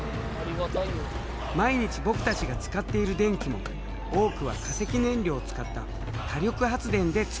毎日僕たちが使っている電気も多くは化石燃料を使った火力発電で作られたもの。